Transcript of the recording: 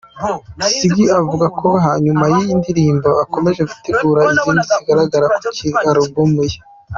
Ziggy avuga ko nyuma y’iyi ndirimbo, akomeje gutegura izindi zizagaragara kuri album ye.